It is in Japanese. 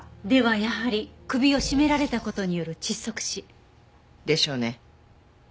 ではやはり首を絞められた事による窒息死。でしょうね。